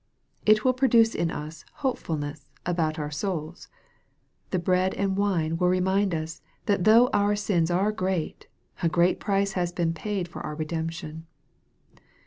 It will produce in us hopefulness about out souls. The bread and wine will remind us that though our sins are great, a great price has been paid for our redemption.